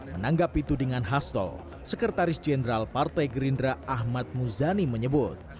menanggapi itu dengan hasto sekretaris jenderal partai gerindra ahmad muzani menyebut